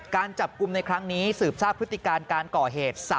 การจับกลุ่มในครั้งนี้สืบทราบพฤติการการก่อเหตุ